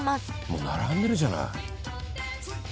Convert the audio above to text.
もう並んでるじゃない。